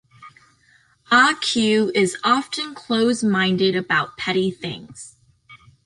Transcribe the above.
Ah Q is often close-minded about petty things.